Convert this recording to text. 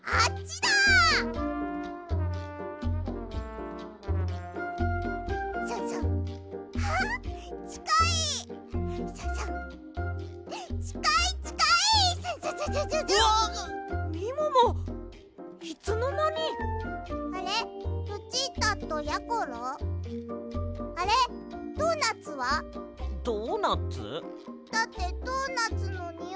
だってドーナツのにおいが。